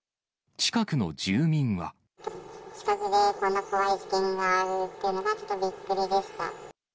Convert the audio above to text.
近くでこんな怖い事件があるっていうのが、ちょっとびっくりでした。